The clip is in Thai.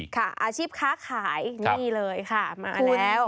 อาชีพค้าขายนี่เลยค่ะมาแล้ว